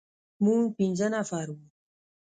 موږ پنځه نفر وو.